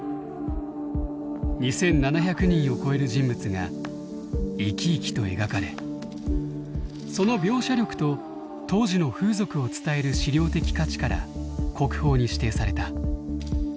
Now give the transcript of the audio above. ２，７００人を超える人物が生き生きと描かれその描写力と当時の風俗を伝える資料的価値から国宝に指定された。